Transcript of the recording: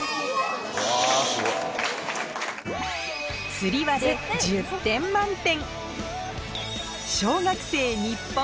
つり輪で１０点満点！